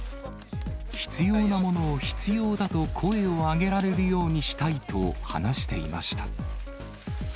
必要なものを必要だと声を上げられるようにしたいと話していました。